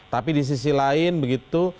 tapi di sisi lain begitu